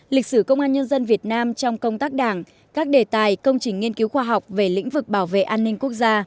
lịch sử công an nhân dân việt nam trong công tác đảng các đề tài công trình nghiên cứu khoa học về lĩnh vực bảo vệ an ninh quốc gia